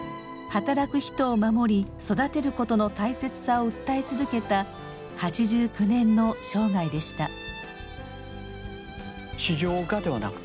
働く人を守り育てることの大切さを訴え続けた８９年の生涯でした。